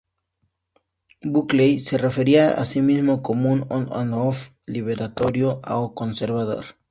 Buckley se refería a sí mismo como un "on and off" libertario o conservador.